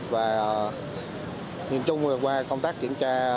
và nhìn chung người qua công tác kiểm tra